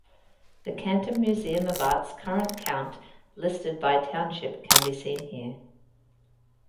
The Canton Museum of Art's current count listed by township can be seen here.